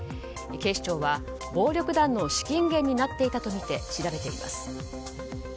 警視庁は暴力団の資金源になっていたとみて調べています。